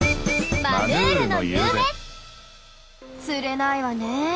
釣れないわねえ。